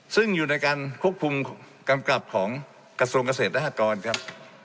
ซึ่งอยู่ในการควบคุมกำกับของกระทรวงเกษตรและหกรครับ